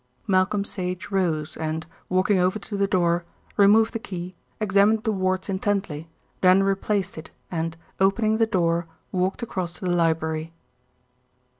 Malcolm Sage rose and, walking over to the door, removed the key, examined the wards intently, then replaced it and, opening the door, walked across to the library.